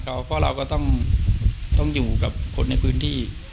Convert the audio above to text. เพราะเราก็ต้องอยู่กับคนในพื้นที่